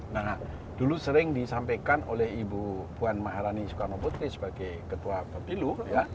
nah dulu sering disampaikan oleh ibu puan maharani sukarno putri sebagai ketua bapilu